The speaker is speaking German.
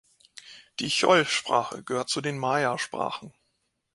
Die Chol-Sprache gehört zu den Maya-Sprachen.